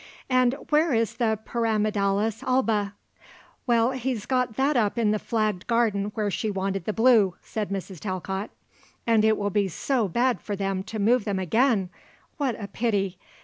"And where is the pyramidalis alba?" "Well, he's got that up in the flagged garden where she wanted the blue," said Mrs. Talcott. "And it will be so bad for them to move them again! What a pity!